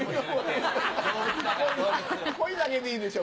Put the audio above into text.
コイだけでいいでしょ